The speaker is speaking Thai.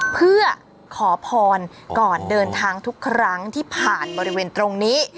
เพื่อขอพรก่อนเดินทางทุกครั้งที่ผ่านบริเวณตรงนี้